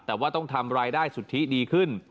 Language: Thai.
แต่ว่าต้องทำรายได้สุทธิดีขึ้น